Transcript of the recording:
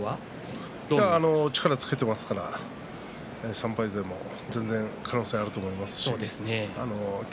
力をつけていますから３敗勢も全然可能性があると思います。